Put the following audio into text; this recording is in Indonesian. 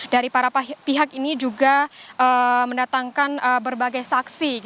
dari para pihak ini juga mendatangkan berbagai saksi